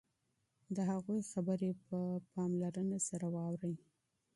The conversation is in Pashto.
د هغوی خبرې په غور سره واورئ.